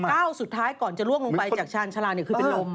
ก้าวสุดท้ายก่อนจะล่วงลงไปจากชาญชาลาเนี่ยคือเป็นลม